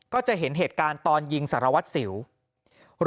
ก็จะเห็นเหตุการณ์ตอนยิงสารวัตรสิว